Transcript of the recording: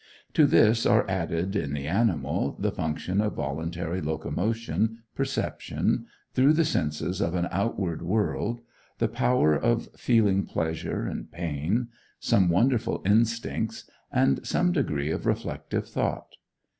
To this are added, in the animal, the function of voluntary locomotion, perception through the senses of an outward world, the power of feeling pleasure and pain, some wonderful instincts, and some degree of reflective thought.